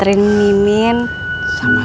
jam segini rame loh